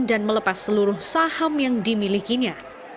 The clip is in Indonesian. melepas seluruh saham yang dimilikinya